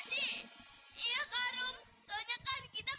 jangan bu jangan diminum